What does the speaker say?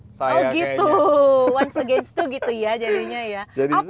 once against two gitu ya jadinya ya